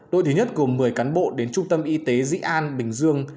đội thứ nhất gồm một mươi cán bộ đến trung tâm y tế dĩ an bình dương